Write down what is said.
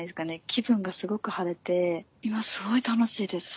気分がすごく晴れて今すごい楽しいです。